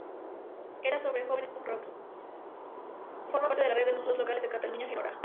Forma parte de la Red de Museos Locales de Cataluña-Gerona.